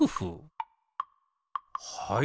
はい。